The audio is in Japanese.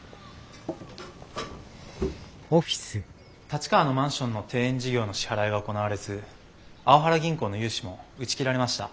立川のマンションの庭園事業の支払いが行われずあおはら銀行の融資も打ち切られました。